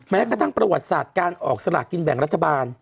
แม้กระทั่งประวัติศาสตร์การออกสลากินแบ่งรัฐบาล